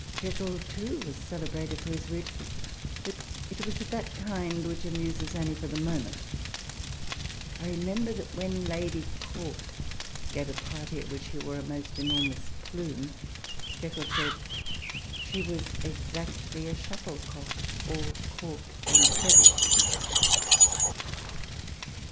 Jekyll, too, was celebrated for his wit ; but it was of that kind which amuses only for the moment. I remember that when Lady Cork gave a party at which she wore a most enormous plume, Jekyll said, TABLE TALK OF SAMUEL ROGERS 67 " She was exactly a shuttle cock all cork and feathers."